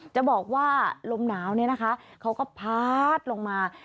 จะบอกว่าลมหนาวเนี่ยนะคะเขาก็พาดลงมา